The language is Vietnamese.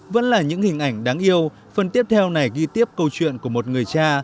vẫn là những hình ảnh đáng yêu phần tiếp theo này ghi tiếp câu chuyện của một người cha